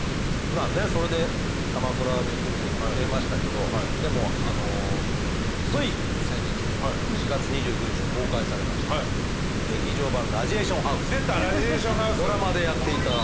まあねそれで鎌倉に来ることも増えましたけどでもつい先日４月２９日に公開されました『劇場版ラジエーションハウス』出た『ラジエーションハウス』ドラマでやっていたものがついに。